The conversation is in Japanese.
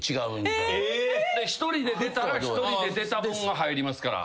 １人で出たら１人で出た分が入りますから。